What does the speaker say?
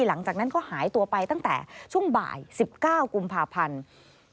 หลังจากนั้นก็หายตัวไปตั้งแต่ช่วงบ่าย๑๙กุมภาพันธ์